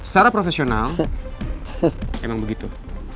secara profesional emang begitu